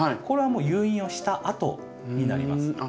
これはもう誘引をしたあとになります。